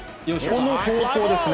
この方向ですね。